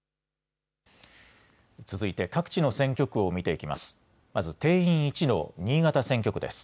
続いて各地の選挙区を見ていきます。